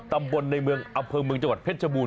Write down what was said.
ตำบลในเมืองอำเภอเมืองจังหวัดเพชรชบูร